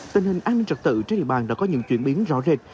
tình hình an ninh trật tự trên địa bàn đã có những chuyển biến rõ rệt